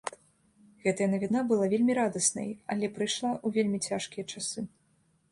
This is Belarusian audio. Гэтая навіна была вельмі радаснай, але прыйшла ў вельмі цяжкія часы.